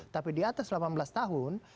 tapi di atas delapan belas tahun